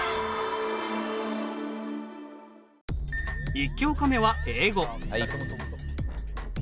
１教科目は英語。